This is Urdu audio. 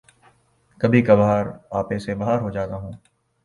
کبھی کبھار آپے سے باہر ہو جاتا ہوں